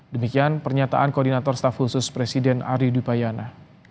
demikian pernyataan koordinator staf khusus presiden ari dupayana